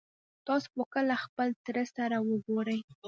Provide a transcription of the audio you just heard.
تاسو به کله خپل تره سره وګورئ